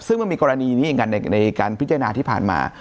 ซึ่งมันมีกรณีนี้อีกกันในการพิจารณาที่ผ่านมา